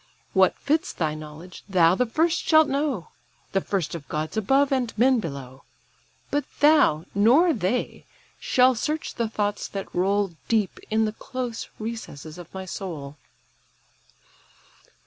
What fits thy knowledge, thou the first shalt know; The first of gods above, and men below; But thou, nor they, shall search the thoughts that roll Deep in the close recesses of my soul."